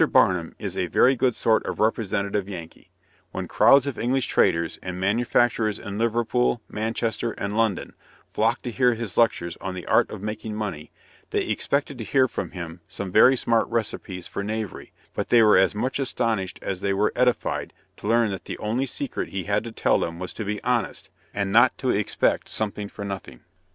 Barnum is a very good sort of representative Yankee. When crowds of English traders and manufacturers in Liverpool, Manchester, and London, flocked to hear his lectures on the art of making money, they expected to hear from him some very smart recipes for knavery; but they were as much astonished as they were edified to learn that the only secret he had to tell them was to be honest, and not to expect something for nothing."